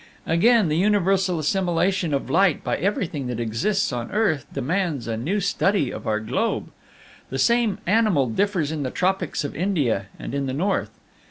Again, the universal assimilation of light by everything that exists on earth demands a new study of our globe. The same animal differs in the tropics of India and in the North.